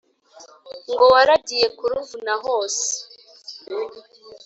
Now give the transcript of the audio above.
ngo waragiye kuruvuna hose